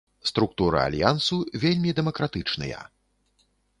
Структура альянсу вельмі дэмакратычныя.